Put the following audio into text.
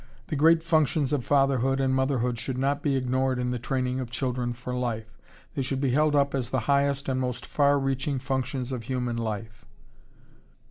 The great functions of fatherhood and motherhood should not be ignored in the training of children for life. They should be held up as the highest and most far reaching functions of human life....